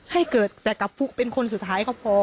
ให้เกิดแต่กับฟุ๊กเป็นคนสุดท้ายก็พอ